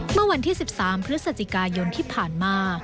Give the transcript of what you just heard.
เมื่อวันที่๑๓พฤศจิกายนที่ผ่านมา